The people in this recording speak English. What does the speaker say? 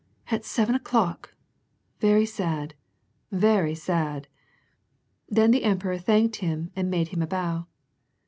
"At seven o^clock ! Very sad 1 very sad !" Then the emperor thanked him and made him a bow.